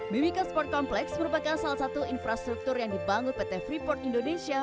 mimika sport complex merupakan salah satu infrastruktur yang dibangun pt freeport indonesia